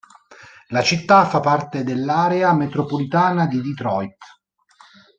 La città fa parte dell'area metropolitana di Detroit.